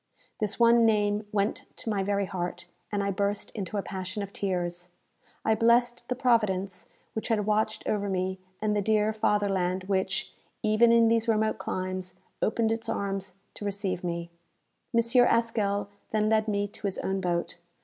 This one name went to my very heart, and I burst into a passion of tears. I blessed the Providence which had watched over me, and the dear fatherland which, even in these remote climes, opened its arms to receive me! M. Haskell then led me to his own boat.